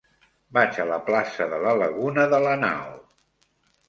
Vaig a la plaça de la Laguna de Lanao.